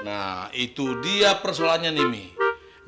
nah itu dia persoalannya nih